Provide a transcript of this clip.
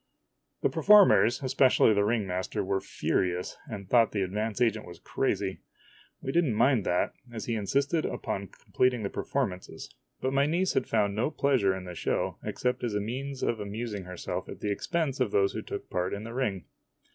The performers, especially the ring master, were furious, and thought the advance agent was crazy. We did n't mind that, as he insisted upon completing the performances ; but my niece found no pleasure in the show except as a means of amusing herself at the ex pense of those who took part in the ring.